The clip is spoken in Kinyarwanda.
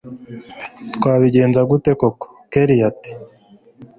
twabigenza dute koko kellia ati